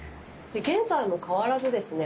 現在も変わらずですね